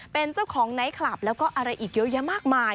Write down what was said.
เป็นเจ้าของไนท์คลับแล้วก็อะไรอีกเยอะแยะมากมาย